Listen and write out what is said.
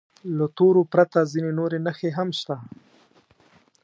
له تورو پرته ځینې نورې نښې هم شته.